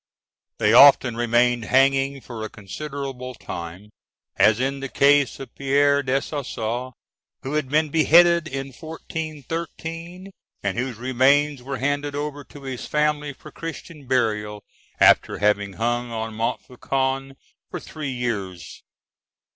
They often remained hanging for a considerable time, as in the case of Pierre des Essarts, who had been beheaded in 1413, and whose remains were handed over to his family for Christian burial after having hung on Montfaucon for three years.